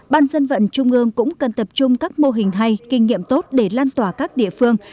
ban dân vận trung ương cũng cần tập trung các mô hình hay kinh nghiệm tốt để lan tỏa các địa phương